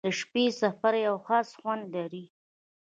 • د شپې سفر یو خاص خوند لري.